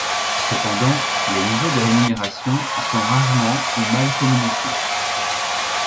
Cependant, les niveaux de rémunérations, sont rarement ou mal communiqués.